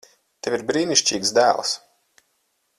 Tev ir brīnišķīgs dēls.